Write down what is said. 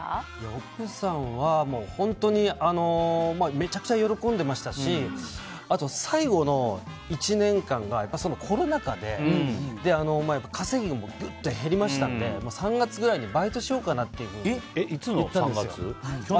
奥さんは本当にめちゃくちゃ喜んでましたしあと、最後の１年間がコロナ禍で稼ぎも減りましたので３月ぐらいにバイトをしようかなって言ったんですよ。